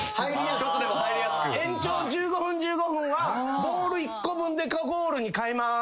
延長１５分・１５分はボール１個分でかゴールにかえます。